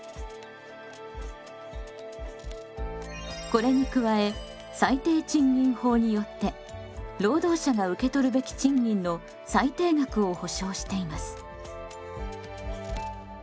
これに加え最低賃金法によって労働者が受け取るべき賃金の最低額を保障しています。